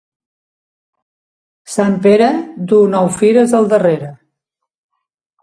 Sant Pere duu nou fires al darrere.